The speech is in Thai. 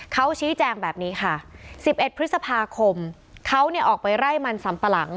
เขาชี้แจงแบบนี้ค่ะ๑๑พฤษภาคมเขาเนี่ยออกไปไล่มันสัมปะหลัง